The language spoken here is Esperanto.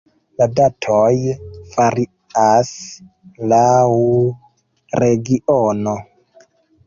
La datoj varias laŭ regiono.